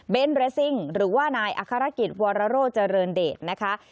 เป็นเรสซิ่งหรือว่านายอัครกิจวรโรเจริญเดชนะคะ